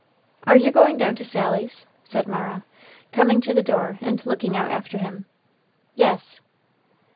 "Are you going down to Sally's?" said Mara, coming to the door and looking out after him. "Yes."